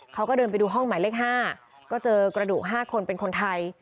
เขาก็เดินไปดูห้องหมายเลข๕ก็เจอกระดูก๕คนเป็นคนไทย